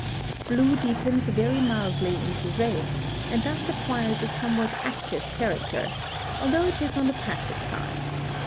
Blue deepens very mildly into red, and thus acquires a somewhat active character, although it is on the passive side.